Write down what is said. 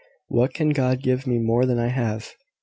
What can God give me more than I have?"